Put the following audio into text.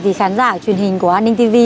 thì khán giả truyền hình của an ninh tv